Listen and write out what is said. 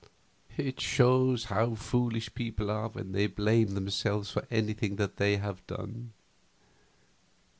It shows how foolish people are when they blame themselves for anything they have done.